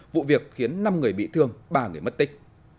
vụ việc khiến năm người bị thương ba người mất tích